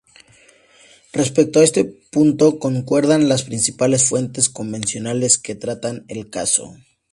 Respecto a este punto concuerdan las principales fuentes convencionales que tratan el caso.